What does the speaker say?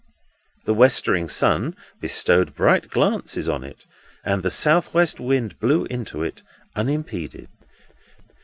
The westering sun bestowed bright glances on it, and the south west wind blew into it unimpeded.